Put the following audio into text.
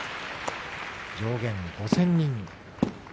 上限５０００人。